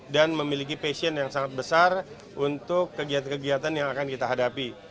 dan memiliki passion yang sangat besar untuk kegiatan kegiatan yang akan kita hadapi